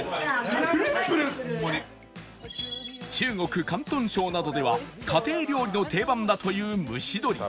中国広東省などでは家庭料理の定番だという蒸し鶏